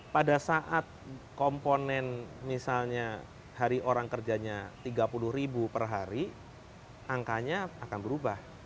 pada saat komponen misalnya hari orang kerjanya tiga puluh ribu per hari angkanya akan berubah